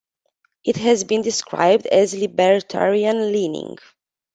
It has been described as Libertarian-leaning.